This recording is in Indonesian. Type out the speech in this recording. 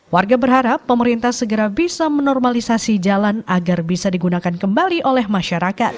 warga berharap pemerintah segera bisa menormalisasi jalan agar bisa digunakan kembali oleh masyarakat